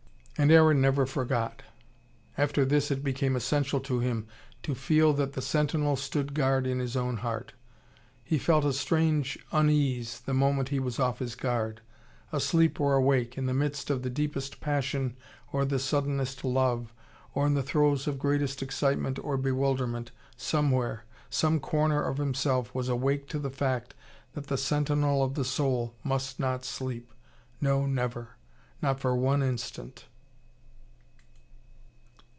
And Aaron never forgot. After this, it became essential to him to feel that the sentinel stood guard in his own heart. He felt a strange unease the moment he was off his guard. Asleep or awake, in the midst of the deepest passion or the suddenest love, or in the throes of greatest excitement or bewilderment, somewhere, some corner of himself was awake to the fact that the sentinel of the soul must not sleep, no, never, not for one instant.